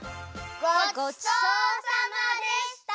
ごちそうさまでした！